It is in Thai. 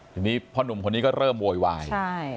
ทีนี้พ่อนุ่มคนนี้ก็เริ่มโวยวาย